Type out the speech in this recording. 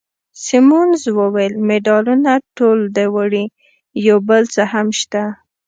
سیمونز وویل: مډالونه ټول ده وړي، یو بل څه هم شته.